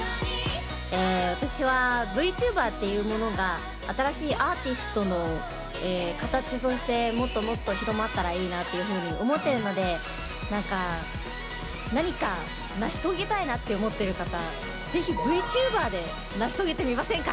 私はＶチューバーっていうものが新しいアーティストの形としてもっともっと広まったらいいなっていうふうに思ってるので何か何か成し遂げたいなって思ってる方是非Ｖチューバーで成し遂げてみませんか？